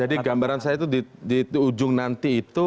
jadi gambaran saya itu di ujung nanti itu